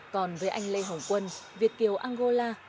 còn với anh lê hồng quân việt kiều angola